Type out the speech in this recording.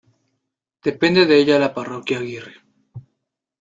Depende de ella la parroquia Aguirre.